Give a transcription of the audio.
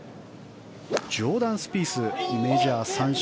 ジョーダン・スピースメジャー３勝。